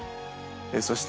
そして